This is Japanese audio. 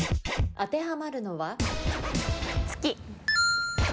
当てはまるのは？